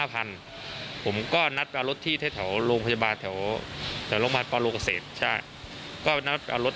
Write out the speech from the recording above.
ผมก็นัดเอารถที่แถวโรงพยาบาลแถวโรงพยาบาลปลาโลกเศษ